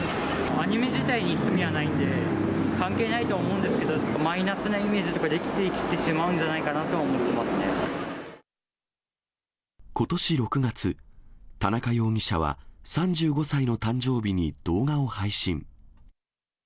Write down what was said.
アニメ自体に罪はないんで、関係ないとは思うんですけど、マイナスなイメージとか出来てきてしまうんじゃないかなと思ってことし６月、田中容疑者は３５歳の誕生日に動画を配信。